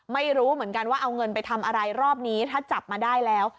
ไม่รู้เหมือนกันว่าเอาเงินไปทำอะไรรอบนี้ถ้าจับมาได้แล้ว